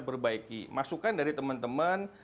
perbaiki masukan dari teman teman